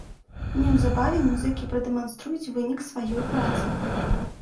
Неўзабаве музыкі прадэманструюць вынік сваёй працы.